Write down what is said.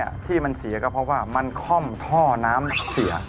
เตาไฟตัวนี้ที่มันเสียก็เพราะว่ามันค่อมท่อน้ำเสีย